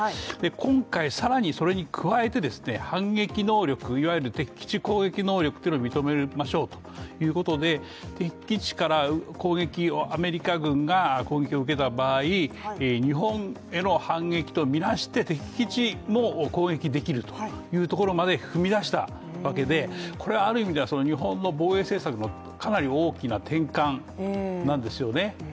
今回、更にそれに加えて反撃能力、いわゆる敵基地攻撃能力というのを認めましょうということで敵基地からアメリカ軍が攻撃を受けた場合、日本への攻撃と見なして敵基地も攻撃できるというところまで踏み出したわけでこれはある意味では日本の防衛政策のかなり大きな転換なんですよね。